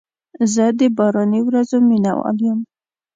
زه د باراني ورځو مینه وال یم.